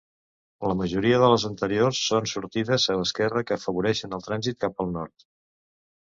La majoria de les anteriors són sortides a l'esquerra que afavoreixen el trànsit cap al nord.